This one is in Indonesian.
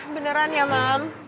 beneran ya mam